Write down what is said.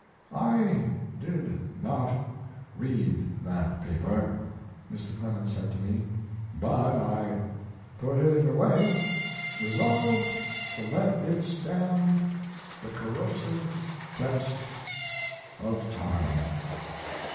"I did not read that paper," Mr. Clemens said to me, "but I put it away, resolved to let it stand the corrosive test of time.